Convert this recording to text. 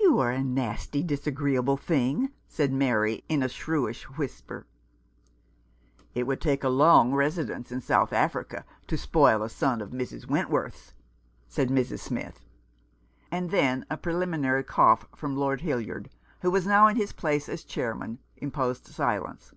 "You are a nasty, disagreeable thing," said Mary, in a shrewish whisper. " It would take a long residence in South Africa to spoil a son of Mrs. Wentworth' s," said Mrs. Smith ; and then a preliminary cough from Lord Hildyard, who was now in his place as chairman, imposed silence.